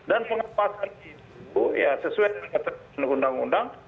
dan pengawasan itu ya sesuai dengan kata undang undang